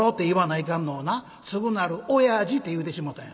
『すぐなる親父』と言うてしもたんや」。